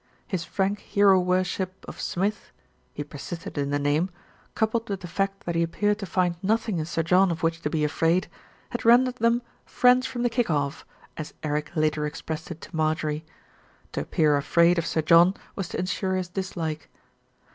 His frank hero worship of Smith, he persisted in the name, coupled with the fact that he appeared to find nothing in Sir John of which to be afraid, had rendered them "friends from the kick off," as Eric later expressed it to Marjorie. To appear afraid of Sir John was to ensure his dislike.